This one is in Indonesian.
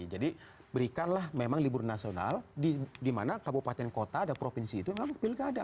jadi berikanlah memang libur nasional di mana kabupaten kota ada provinsi itu yang pilkada